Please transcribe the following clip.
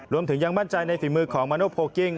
รวมถึงยังมั่นใจในฝีมือของมาโนโพลกิ้ง